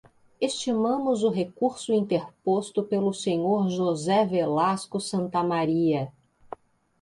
Estimamos o recurso interposto pelo senhor José Velasco Santamaría.